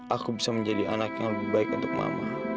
aku bisa menjadi anak yang lebih baik untuk mama